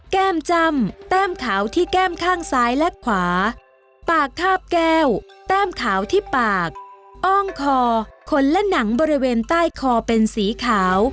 แก้มจำแต้มขาวที่แก้มข้างซ้ายและขวาปากคาบแก้วแต้มขาวที่ปากอ้องคอขนและหนังบริเวณใต้คอเป็นสีขาว